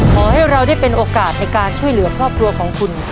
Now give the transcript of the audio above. ขอให้เราได้เป็นโอกาสในการช่วยเหลือครอบครัวของคุณ